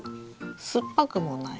酸っぱくもない？